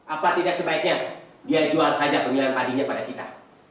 apa tidak sebaiknya dia jual saja pengelilingan adi padali pada kita